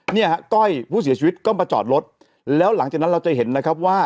เนี่ยฮะก้อยผู้เสียชีวิตก็มาจอดรถแล้วหลังจากนั้นเราจะเห็นนะครับว่า